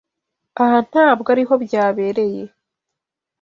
Aha ntabwo ariho byabereye.